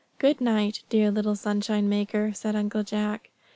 "Good night, dear little sunshine maker;" said Uncle Jack.